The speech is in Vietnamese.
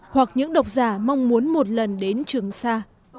hoặc những độc giả mong muốn một lần đến trường sa